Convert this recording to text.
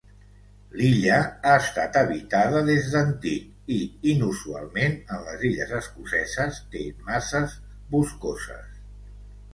L'illa ha estat habitada des d'antic i, inusualment en les illes escoceses, té masses boscoses.